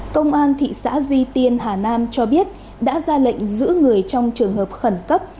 công an thị xã duy tiên hà nam cho biết đã ra lệnh giữ người trong trường hợp khẩn cấp